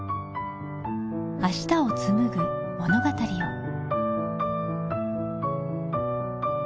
明日をつむぐ物語を。